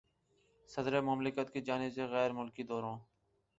صدر مملکت کی جانب سے غیر ملکی دوروں